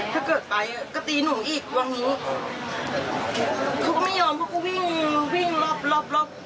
ถ้าเกิดไปก็ตีหนูอีกวันนี้เขาก็ไม่ยอมเขาก็วิ่งวิ่งรอบรอบ